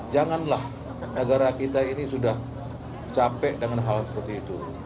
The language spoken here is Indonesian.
janganlah negara kita ini sudah capek dengan hal seperti itu